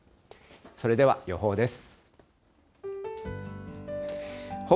それでは予報です。